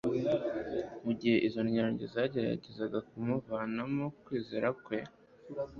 Mu gihe izo ndyarya zageragezaga kumuvanamo kwizera kwe,